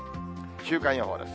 週間予報です。